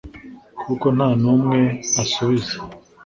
kuko nta n'umwe asubiza